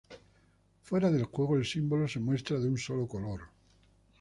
Fuera del juego, el símbolo se muestra de un sólo color.